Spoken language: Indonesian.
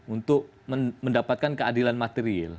untuk mendapatkan keadilan materi